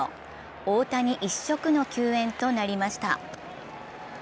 大谷一色の球宴となりました。